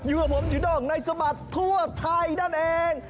อยู่กับผมจุด้งในสบัดทั่วไทยนั่นเอง